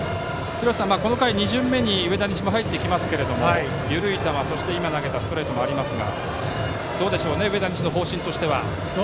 廣瀬さん、この回２巡目に上田西も入りますが緩い球、そして今投げたストレートもありますが上田西の方針としてはどうでしょうね。